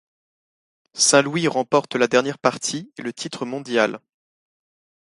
Saint-Louis remporte la dernière partie et le titre mondial.